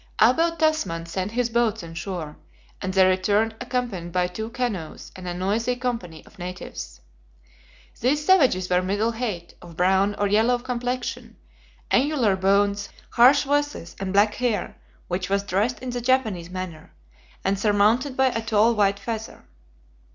Abel Tasman sent his boats on shore, and they returned accompanied by two canoes and a noisy company of natives. These savages were middle height, of brown or yellow complexion, angular bones, harsh voices, and black hair, which was dressed in the Japanese manner, and surmounted by a tall white feather.